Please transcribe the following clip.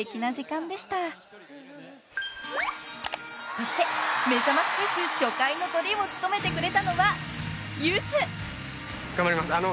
［そしてめざましフェス初回のトリを務めてくれたのはゆず］